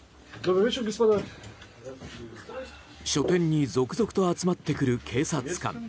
書店に続々と集まってくる警察官。